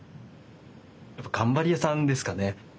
頑張り屋さんですかね。